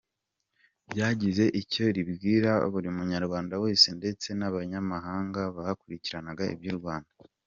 Ryagize icyo ribwira buri munyarwanda wese ndetse n’abanyamahanga bakurikirana iby’u Rwanda.